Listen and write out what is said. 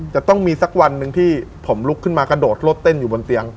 จะต้องมีสักวันหนึ่งที่ผมลุกขึ้นมากระโดดรถเต้นอยู่บนเตียง